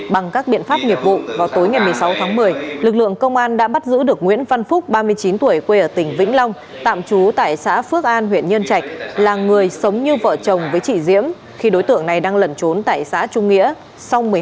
bằng các biện pháp nghiệp vụ vào tối ngày một mươi sáu tháng một mươi lực lượng công an đã bắt giữ được nguyễn văn phúc ba mươi chín tuổi quê ở tỉnh vĩnh long tạm trú tại xã phước an huyện nhân trạch là người sống như vợ chồng với chị diễm khi đối tượng này đang lẩn trốn tại xã trung nghĩa